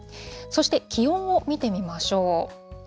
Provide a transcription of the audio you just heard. そして気温を見てみましょう。